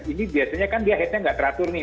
ini biasanya kan dia headnya nggak teratur nih